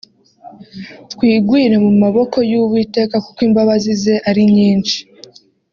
twigwire mu maboko y'uwiteka kuko imbabazi ze ari nyinshi